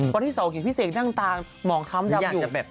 พอที่เสาร์กิจพิเศษนั่งตาหมองท้ำยำอยู่